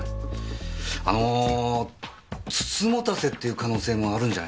あの美人局っていう可能性もあるんじゃないすかねえ。